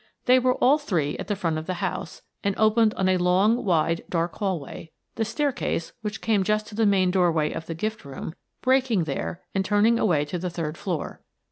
They were all three at the front of the house, and opened on a long, wide, dark hallway, the staircase, which came just to the main doorway of the gift room, breaking there and turning away to the third floor.